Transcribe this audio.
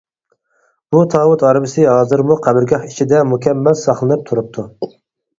بۇ تاۋۇت ھارۋىسى ھازىرمۇ قەبرىگاھ ئىچىدە مۇكەممەل ساقلىنىپ تۇرۇپتۇ.